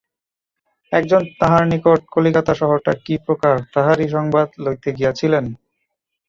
একজন তাঁহার নিকট কলিকাতা শহরটা কী প্রকার তাহারই সংবাদ লইতে গিয়াছিলেন।